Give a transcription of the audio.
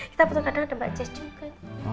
kita foto kadang ada mbak jess juga